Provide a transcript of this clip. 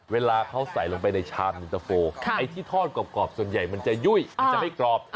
เวลาเขาใส่ลงไปในชามอินเตอร์โฟไอ้ที่ทอดกรอบส่วนใหญ่มันจะยุ่ยมันจะไม่กรอบ